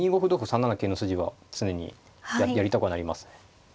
３七桂の筋が常にやりたくはなりますね。